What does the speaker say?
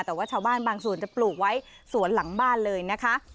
แต่ว่าชาวบ้านบางส่วนจะปลูกไว้สวนหลังบ้านเลยนะคะ